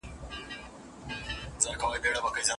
عالم او سوله ییز انسان په ټولنه کي علم او امن خپروي.